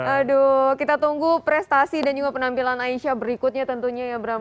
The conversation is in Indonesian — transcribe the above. aduh kita tunggu prestasi dan juga penampilan aisyah berikutnya tentunya ya bram